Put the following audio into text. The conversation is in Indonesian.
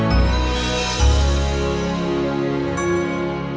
dan biarkannya orang